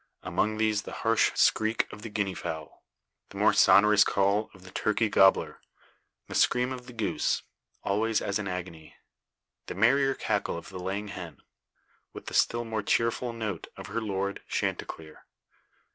Among these the harsh "screek" of the guinea fowl; the more sonorous call of the turkey "gobbler;" the scream of the goose, always as in agony; the merrier cackle of the laying hen, with the still more cheerful note of her lord Chanticleer.